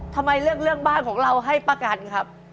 ทำไมเลือกเรื่องบ้านของเราให้ประกันครับ